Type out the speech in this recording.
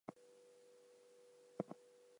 The airport is operated by the Oak Hills Flying Club.